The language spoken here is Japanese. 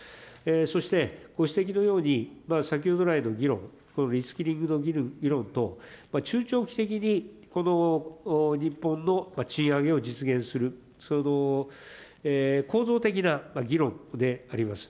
そしてご指摘のように、先ほど来の議論、このリスキリングの議論と、中長期的にこの日本の賃上げを実現する、構造的な議論であります。